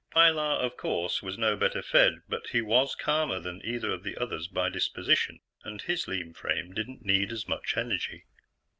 Pilar, of course, was no better fed, but he was calmer than either of the others by disposition, and his lean frame didn't use as much energy.